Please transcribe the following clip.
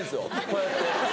こうやって。